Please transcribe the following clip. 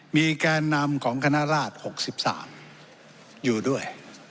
มีแก่นำของคณะราช๖๓อยู่ด้วย